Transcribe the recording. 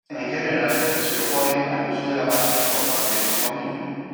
En general, se opone al uso de la magia por parte de su familia.